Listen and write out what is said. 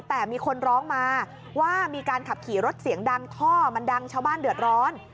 แต่มีคนร้องมาว่ามีการขับขี่รถเสียงดังท่อมันดังชาวบ้านเดือดร้อน